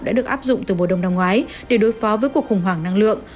đã được áp dụng từ mùa đông năm ngoái để đối phó với cuộc khủng hoảng năng lượng